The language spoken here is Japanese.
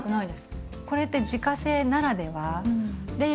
これって自家製ならではで